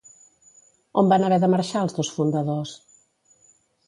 On van haver de marxar els dos fundadors?